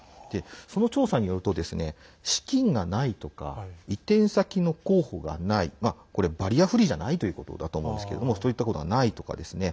その調査によると資金がないとか移転先の候補がないバリアフリーじゃないということだと思うんですけどもそういったことがないとかですね。